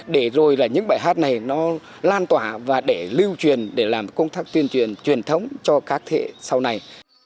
để rồi là những bài hát này nó lan tỏa và để lưu truyền để làm công tác tuyên truyền truyền thống cho các thế hệ sau này